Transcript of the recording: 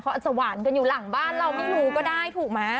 เขาอาจจะหวานกันอยู่หลังบ้านเราไม่รู้ก็ได้ถูกไหม